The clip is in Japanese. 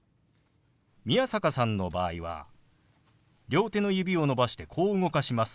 宮坂さんの場合は両手の指を伸ばしてこう動かします。